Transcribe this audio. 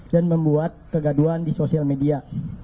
dan membuat kegaduan di sosial media